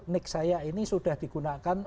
nick saya ini sudah digunakan